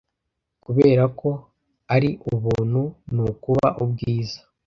kuberako uri ubuntu nukuba ubwiza